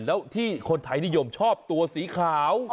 แล้วที่คนไทยนิยมชอบตัวสีขาว